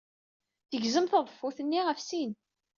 Tegzem taḍeffut-nni ɣef sin.